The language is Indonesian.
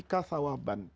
kata quran tadi